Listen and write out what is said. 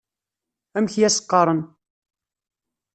Amek i as-qqaren?